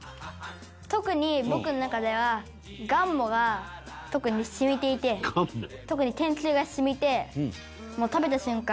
特に僕の中ではがんもが特に染みていて特に天つゆが染みて食べた瞬間